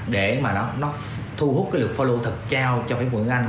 để mà nó thu hút cái lượt follow thật cao cho quỳnh ngân anh